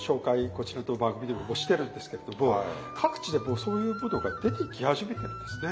こちらの番組でもしてるんですけれども各地でもうそういうものが出てき始めてるんですね。